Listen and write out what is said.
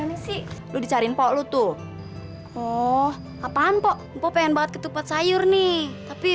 itu dia dulu sih dicariin polo tuh oh apaan pokok pengen banget ketupat sayur nih tapi